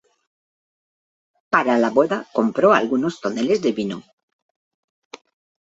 Para la boda compró algunos toneles de vino.